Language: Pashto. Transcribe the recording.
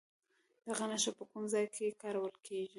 دغه نښه په کوم ځای کې کارول کیږي؟